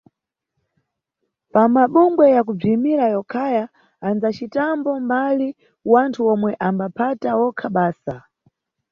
Pamabungwe ya kubziyimira yokaya, andzacitambo mbali wanthu omwe ambaphata okha basa.